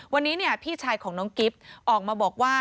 วันนี้พี่ชายของน้องกิฟต์ออกมาบอกว่า